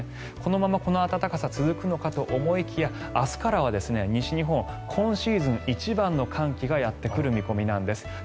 このままこの暖かさが続くのかと思いきや明日からは西日本今シーズン一番の寒気がやってくる見込みなんです。